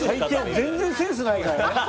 全然センスないからね。